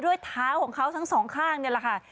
ด้วยเท้าของเขาทั้งสองข้างนี่แหละค่ะ